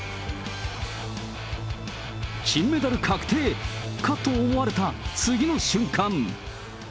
金メダル確定、かと思われた次の瞬間。